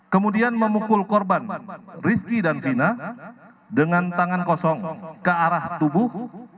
kemudian memukul korban rizky dan vina dengan tangan kosong ke arah tubuh